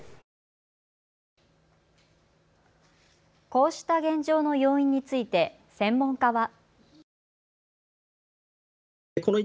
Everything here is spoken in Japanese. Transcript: こうした現状の要因について専門家は。